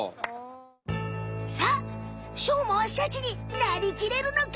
さっしょうまはシャチになりきれるのか？